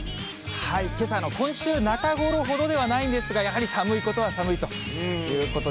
けさ、今週中ごろほどではないんですが、やはり寒いことは寒いということで。